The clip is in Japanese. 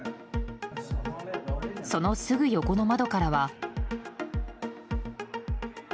そのすぐ横の窓からは。